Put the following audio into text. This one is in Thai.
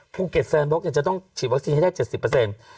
ภูเก็ตแซนบ็อกซ์จะต้องฉีดวัคซีนให้ได้๗๐เปอร์เซ็นต์